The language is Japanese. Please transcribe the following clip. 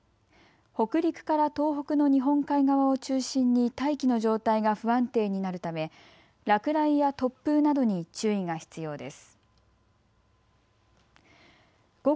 北陸から東北の日本海側を中心に大気の状態が不安定になるため落雷や突風などに注意が必要です。